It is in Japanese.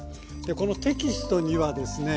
このテキストにはですね